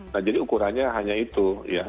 nah jadi ukurannya hanya itu ya